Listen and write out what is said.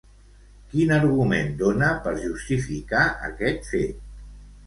Quin argument dona per justificar aquest fet?